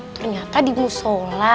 ternyata di musyola